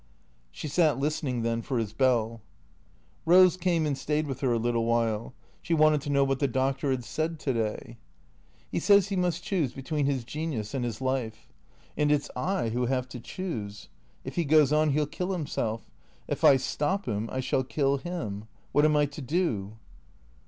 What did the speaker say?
She sat listening then for his bell. Eose came and stayed with her a little while. She wanted to know what the Doctor had said to day. " He says he must choose between his genius and his life. And it 's I who have to choose. If he goes on he '11 kill him self. If I stop him I shall kill him. What am I to do?"